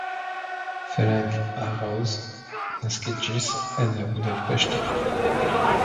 Ferenc Orosz naskiĝis la en Budapeŝto.